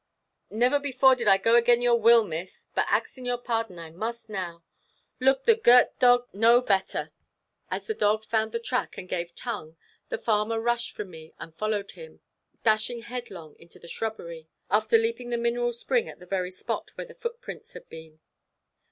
Never before did I go again your will, Miss; but axing your pardon, I must now. Look, the girt dog know better." As the dog found the track and gave tongue, the farmer rushed from me and followed him, dashing headlong into the shrubbery, after leaping the mineral spring, at the very spot where the footprints had been.